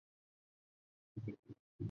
普迪人口变化图示